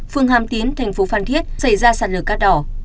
phương hàm tiến thành phố phan thiết xảy ra sạt lờ cát đỏ